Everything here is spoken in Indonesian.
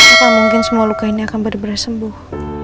apa mungkin semua luka ini akan benar benar sembuh